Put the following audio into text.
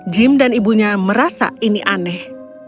jim dan ibunya merasa ini aneh